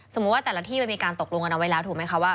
ว่าแต่ละที่มันมีการตกลงกันเอาไว้แล้วถูกไหมคะว่า